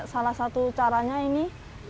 salah satu caranya ini